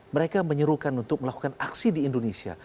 mereka menyuruhkan untuk melakukan aksi di indonesia